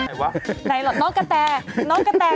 วะไหนหรอกน้องกะแตน้องกะแต